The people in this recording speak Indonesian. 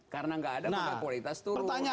karena tidak ada maka kualitas turun